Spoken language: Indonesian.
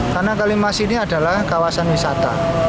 karena kalimas ini adalah kawasan wisata